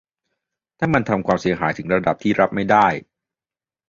- ถ้ามันทำความเสียหายถึงระดับที่รับไม่ได้